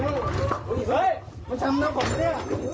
เฮ้ยทำไมเนี่ย